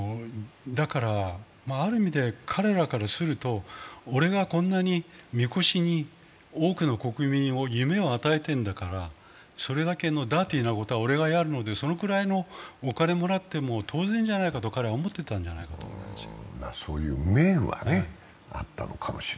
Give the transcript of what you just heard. ある意味で、彼らからすると、俺がこんなに神輿に多くの国民に夢を与えているんだからそれだけのダーティーなことは俺がやるのでそのくらいのお金もらっても当然じゃないかと彼は思ってたんじゃないかと思いますよ。